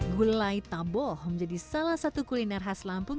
gulai tambol menjadi salah satu kuliner khas lampung